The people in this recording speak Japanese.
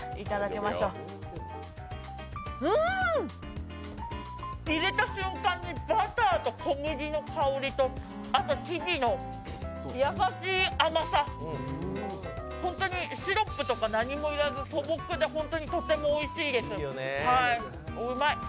うーん！入れた瞬間にバターと小麦の香りと、あときびの優しい甘さ、本当にシロップとか何も要らず素朴で本当にとてもおいしいです、うまい。